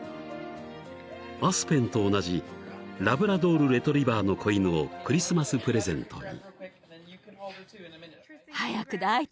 ［アスペンと同じラブラドールレトリバーの子犬をクリスマスプレゼントに］